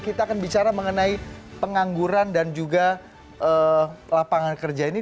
kita akan bicara mengenai pengangguran dan juga lapangan kerja ini